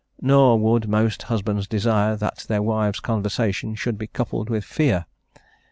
nor would most husbands desire that their wives' conversation should be coupled with fear."